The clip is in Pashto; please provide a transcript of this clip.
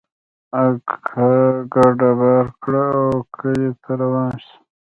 اکا کډه بار کړه او کلي ته روان سو.